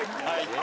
はい。